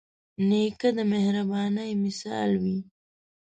نیکه د مهربانۍ مثال وي.